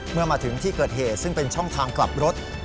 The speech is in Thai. เมื่อมาถึงที่เกิดเหตุซึ่งเป็นช่องทางกลับรถ